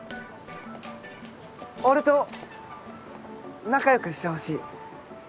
俺と仲良くしてほしい。